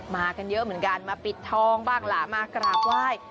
มากันเยอะเหมือนกันมาปิดทองบ้างล่ะมากราบไหว้